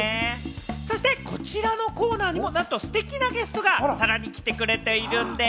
そしてこちらのコーナーにもなんとステキなゲストがさらに来てくれているんでぃす。